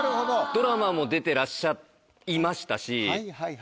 ドラマも出てらっしゃいましたし。